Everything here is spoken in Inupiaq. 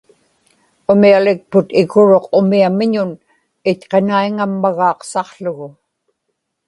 umialikput ikuruq umiamiñun itqanaiŋammagaaqsaqługu